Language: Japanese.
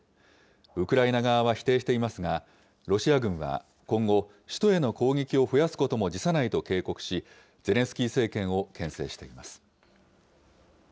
ウクライナ側は否定していますが、ロシア軍は今後、首都への攻撃を増やすことも辞さないと警告し、ゼレンスキー政権をけん制しています。